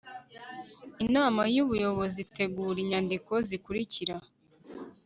inama y'ubuyobozi itegura inyandiko zikurikira